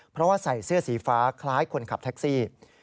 เพราะว่าใส่เสื้อสีฟ้าคล้ายคนขับแท็กซี่